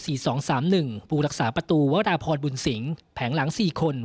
ผู้รักษาประตูวราพรบุญสิงศ์แผงหลัง๔คน